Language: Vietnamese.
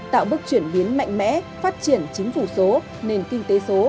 tạo bước chuyển biến mạnh mẽ phát triển chính phủ số nền kinh tế số